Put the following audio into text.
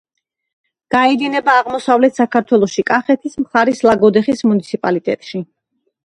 გაედინება აღმოსავლეთ საქართველოში, კახეთის მხარის ლაგოდეხის მუნიციპალიტეტში.